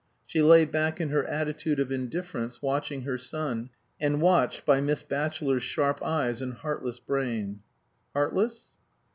She lay back in her attitude of indifference, watching her son, and watched by Miss Batchelor's sharp eyes and heartless brain. Heartless?